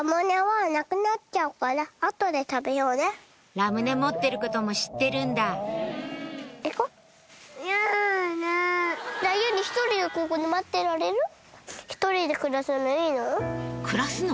ラムネ持ってることも知ってるんだ暮らすの？